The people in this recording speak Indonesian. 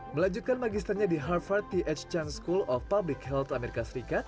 melanjutkan magisternya di harvard th channes school of public health amerika serikat